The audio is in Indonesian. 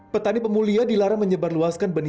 petani pemulia dilarang menyebarluaskan benih